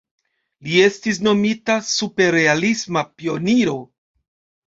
Li estis nomita "superrealisma pioniro".